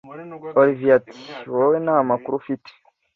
olivier ati”wowe ntamakuru ufite